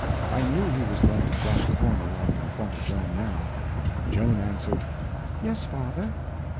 I knew he was going to drop corn along in front of Joan now. Joan answered: "Yes, father."